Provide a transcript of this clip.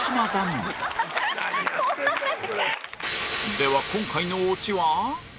では今回のオチは？